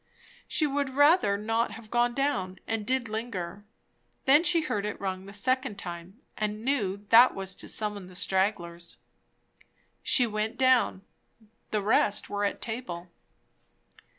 She would rather not have gone down, and did linger; then she heard it rung the second time and knew that was to summon the stragglers. She went down. The rest were at table.